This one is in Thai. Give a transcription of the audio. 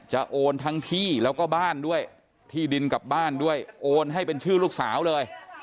โอนทั้งที่แล้วก็บ้านด้วยที่ดินกับบ้านด้วยโอนให้เป็นชื่อลูกสาวเลย